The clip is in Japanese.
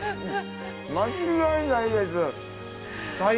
間違いないです！